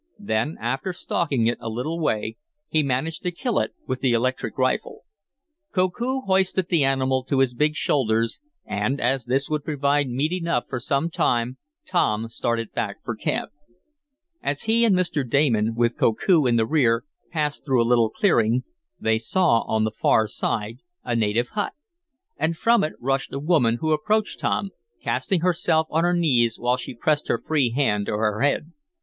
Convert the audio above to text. Then, after stalking it a little way, he managed to kill it with the electric rifle. Koku hoisted the animal to his big shoulders, and, as this would provide meat enough for some time, Tom started back for camp. As he and Mr. Damon, with Koku in the rear, passed through a little clearing, they saw, on the far side, a native hut. And from it rushed a woman, who approached Tom, casting herself on her knees, while she pressed his free hand to her head.